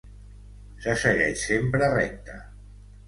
Se segueix sempre recte.